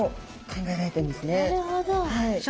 なるほど。